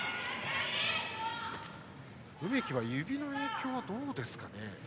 梅木は指の影響、どうですかね。